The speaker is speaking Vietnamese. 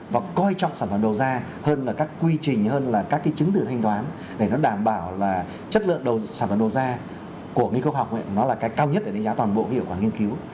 và coi trọng sản phẩm đồ da hơn là các quy trình hơn là các cái chứng từ thanh toán để nó đảm bảo là chất lượng sản phẩm đồ da của nghiên cứu học nó là cái cao nhất để đánh giá toàn bộ hiệu quả nghiên cứu